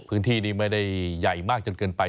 พื้นที่นี้ไม่ได้ใหญ่มากจนเกินไป